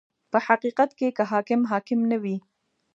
• په حقیقت کې که حاکم حاکم نه وي.